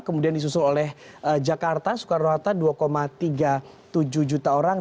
kemudian disusul oleh jakarta soekarno hatta dua tiga puluh tujuh juta orang